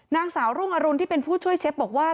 นางสาวรุ่งอรุณที่เป็นผู้ช่วยเชฟบอกว่า